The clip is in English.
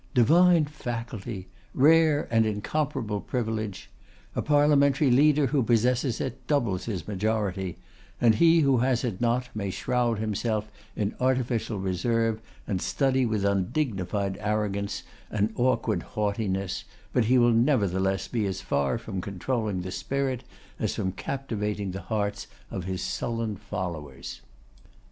Divine faculty! Rare and incomparable privilege! A parliamentary leader who possesses it, doubles his majority; and he who has it not, may shroud himself in artificial reserve, and study with undignified arrogance an awkward haughtiness, but he will nevertheless be as far from controlling the spirit as from captivating the hearts of his sullen followers.